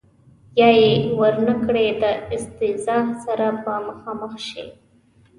یا یې ور نه کړي د استیضاح سره به مخامخ شي.